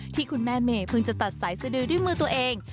ที่คุณแม่เมย์เพิ่งจะตัดสายสดือด้วยมือตัวเอง